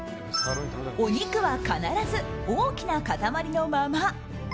お肉は必ず大きな塊のまま。